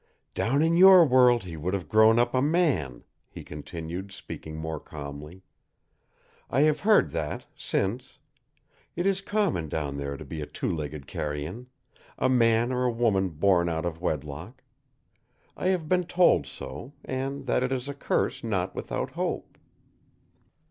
"Down in YOUR world he would have grown up a MAN," he continued, speaking more calmly. "I have heard that since. It is common down there to be a two legged carrion a man or a woman born out of wedlock. I have been told so, and that it is a curse not without hope.